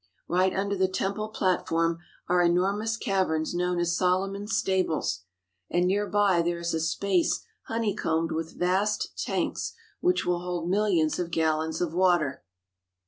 Right under the temple platform are enormous caverns known as Solomon's Stables, and near by there is a space honeycombed with vast tanks which will hold millions of gallons of water.